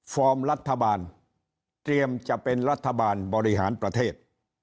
ฟอร์มรัฐบาลเตรียมจะเป็นรัฐบาลบริหารประเทศ